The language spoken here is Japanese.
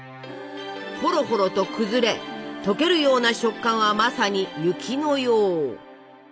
ほろほろと崩れ溶けるような食感はまさに雪のよう。